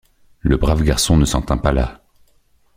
Le brave garçon ne s’en tint pas là.